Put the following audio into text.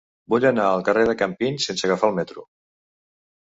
Vull anar al carrer de Campins sense agafar el metro.